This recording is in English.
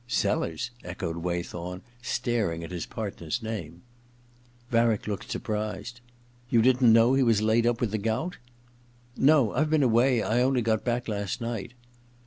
* Sellers.?' echoed Waythorn, starting at his partner's name. Varick looked surprised. * You didn't know he was laid up with the gout ?'* No. I've been away — I only got back last night.'